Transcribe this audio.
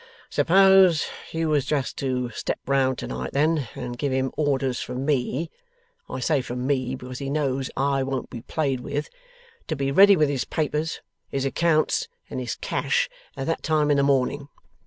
'Suppose you was just to step round to night then, and give him orders from me I say from me, because he knows I won't be played with to be ready with his papers, his accounts, and his cash, at that time in the morning?